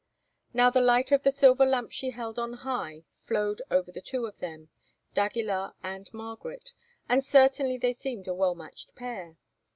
Now the light of the silver lamp she held on high flowed over the two of them, d'Aguilar and Margaret, and certainly they seemed a well matched pair.